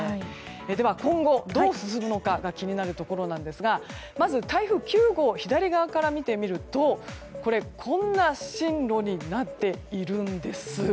では今後、どう進むのかが気になるところですがまず台風９号左側から見てみるとこんな進路になっているんです。